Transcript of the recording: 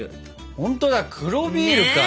ほんとだ黒ビールか。ね。